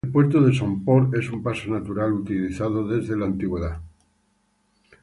El puerto de Somport es un paso natural utilizado desde la antigüedad.